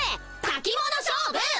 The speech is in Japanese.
たき物勝負！